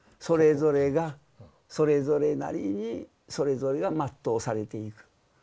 それぞれがそれぞれなりにそれぞれが全うされていく。